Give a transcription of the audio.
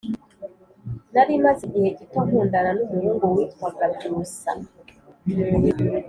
Nari maze igihe gito nkundana n’umuhungu witwaga Byusa